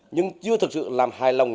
nhưng chưa thực sự làm hài lòng